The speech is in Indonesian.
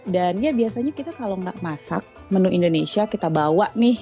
dan ya biasanya kita kalau gak masak menu indonesia kita bawa nih